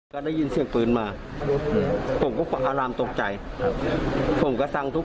ก็ได้ยินเสียงปืนมาผมก็อารามตกใจครับผมก็ฟังทุก